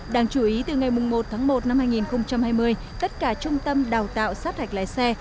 đáng chú ý từ ngày một tháng một năm hai nghìn hai mươi tất cả trung tâm đào tạo sát hạch lái xe